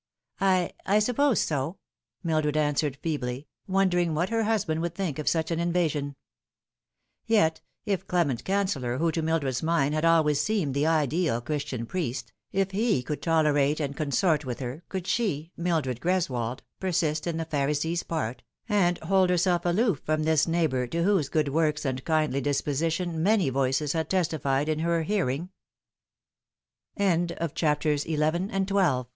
"I I suppose so," Mildred answered feebly, wondering what her husband would think of such an invasion. Yet, if Clement Canceller, who to Mildred's mind had always seemed the ideal Christian priest, if he could tolerate and consort with her, could she, Mildred Greswold, persist in the Pharisee's part, and hold herself aloof from this neighbour, to whose good works and kindly disposition many voices had testi fied in her hearin